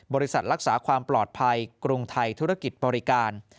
บริษัทรักษาความปลอดภัยกรุงไทยธุรกิจบริการ